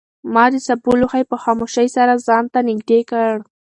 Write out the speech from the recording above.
ما د سابو لوښی په خاموشۍ سره ځان ته نږدې کړ.